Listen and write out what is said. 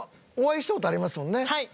はい！